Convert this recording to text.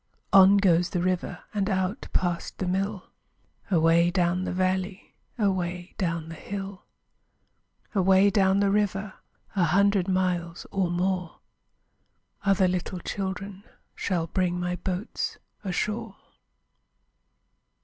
On goes the river And out past the mill, Away down the valley, Away down the hill. Away down the river, A hundred miles or more, Other little children Shall bring my boats ashore.